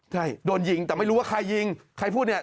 ใช่โดนยิงแต่ไม่รู้ว่าใครยิงใครพูดเนี่ย